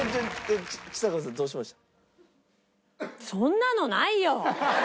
ちさ子さんどうしました？